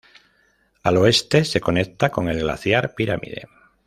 Al oeste se conecta con el glaciar Pirámide.